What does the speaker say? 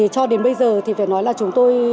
cho đến bây giờ thì phải nói là chúng tôi